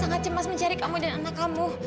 sangat cemas mencari kamu dan anak kamu